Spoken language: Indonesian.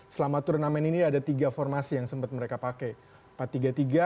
selama turnamen ini ada tiga formasi yang sempat mereka pakai